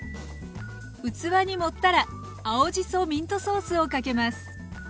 器に盛ったら青じそミントソースをかけます。